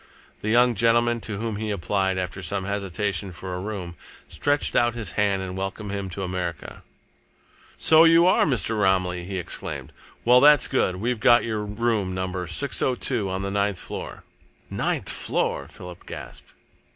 The young gentleman to whom he applied, after some hesitation, for a room, stretched out his hand and welcomed him to America. "So you are Mr. Romilly!" he exclaimed. "Well, that's good. We've got your room Number 602, on the ninth floor." "Ninth floor!" Philip gasped.